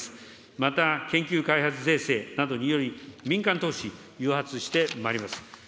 また、研究開発税制などにより、民間投資、誘発してまいります。